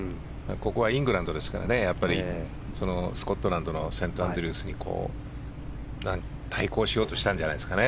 ここはイングランドですからスコットランドのセントアンドリュースに対抗しようとしたんじゃないですかね。